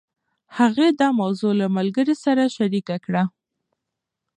هغې دا موضوع له ملګرې سره شريکه کړه.